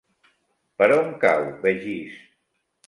Per on cau Begís?